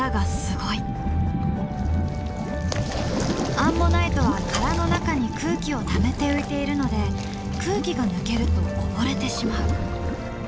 アンモナイトは殻の中に空気をためて浮いているので空気が抜けると溺れてしまう。